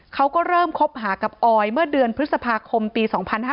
เขาก็เริ่มคบหากับออยเมื่อเดือนพฤษภาคมปี๒๕๕๙